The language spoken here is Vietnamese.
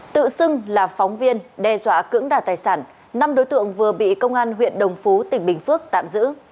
tự xưng là phóng viên đe dọa cưỡng đoạt tài sản năm đối tượng vừa bị công an huyện đồng phú tỉnh bình phước tạm giữ